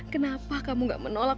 kenapa kamu tidak menolak